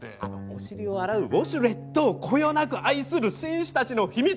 お尻を洗うウォシュレットをこよなく愛する紳士たちの秘密